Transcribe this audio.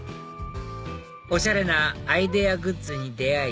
おしゃれなアイデアグッズに出会い